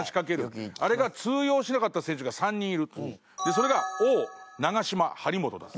それが王長嶋張本だと。